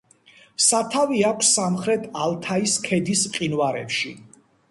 სათავე აქვს სამხრეთ ალთაის ქედის მყინვარებში.